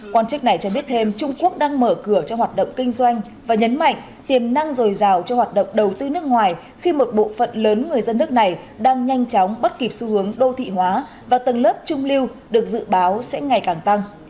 quan chức này cho biết thêm trung quốc đang mở cửa cho hoạt động kinh doanh và nhấn mạnh tiềm năng dồi dào cho hoạt động đầu tư nước ngoài khi một bộ phận lớn người dân nước này đang nhanh chóng bắt kịp xu hướng đô thị hóa và tầng lớp trung lưu được dự báo sẽ ngày càng tăng